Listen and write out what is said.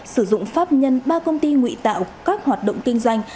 sử dụng pháp nhân ba công ty nguy tạo các hoạt động kinh doanh